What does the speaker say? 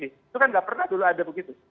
itu kan nggak pernah dulu ada begitu